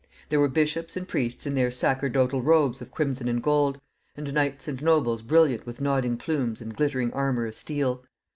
There were bishops and priests in their sacerdotal robes of crimson and gold, and knights and nobles brilliant with nodding plumes and glittering armor of steel.